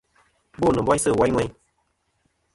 Bom nɨn boysɨ woyn ŋweyn.